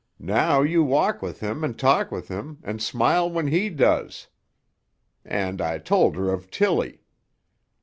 Now you walk with him and talk with him, and smile when he does.' And I told her of Tilly.